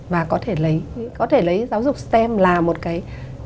và có thể lấy giáo dục stem là một cái